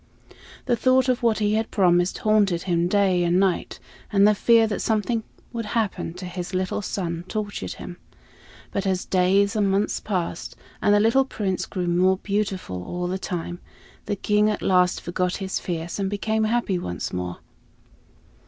The thought of what he had promised haunted him day and night, and the fear that something would happen to his little son tortured him. But as days and months passed, and the little Prince grew more beautiful all the time, the King at last forgot his fears and became happy once more.